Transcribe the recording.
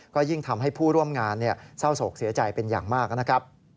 ก็ยิ่งทำให้ผู้ร่วมงานเศร้าโศกเสียใจเป็นอย่างมากนะครับ